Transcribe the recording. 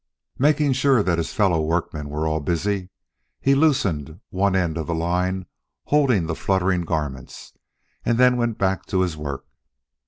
Making sure that his fellow workmen were all busy, he loosened one end of the line holding the fluttering garments and then went back to his work.